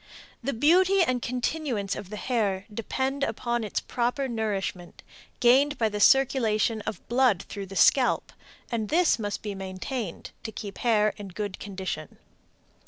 The beauty and continuance of the hair depend upon its proper nourishment, gained by the circulation of blood through the scalp, and this must be maintained to keep the hair in good condition.